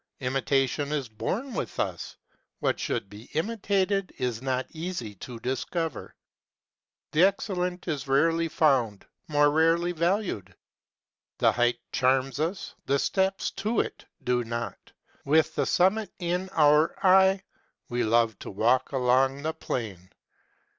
Imitation is born with us : what should be imitated is not easy to dis cover. The excellent is rarely found, more rarely valued. The height charms us, the steps to it do not : with the summit in our eye, we love to walk along the plain.